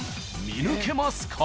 見抜けますか？］